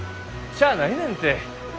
しゃあないねんて。